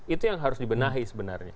itu yang harus dibenahi sebenarnya